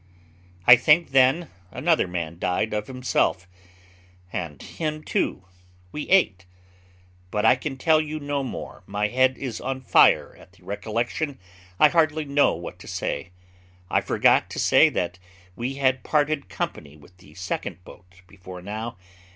I think, then, another man died of himself, and him, too, we ate. But I can tell you no more my head is on fire at the recollection; I hardly know what I say. I forgot to say that we had parted company with the second boat before now.